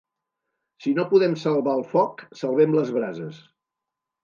Si no podem salvar el foc, salvem les brases.